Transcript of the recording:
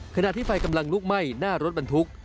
ขณะที่ไฟกำลังลุกไหม้หน้ารถบรรทุก